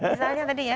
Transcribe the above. misalnya tadi ya